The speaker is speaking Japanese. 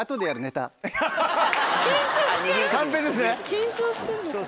緊張してるのかな。